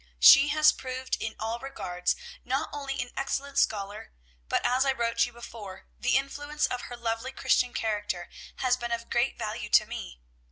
She has proved in all regards not only an excellent scholar, but, as I wrote you before, the influence of her lovely Christian character has been of great value to me.